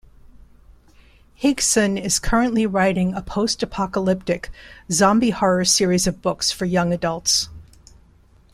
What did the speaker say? Higson is currently writing a post-apocalyptic, zombie-horror series of books for young adults.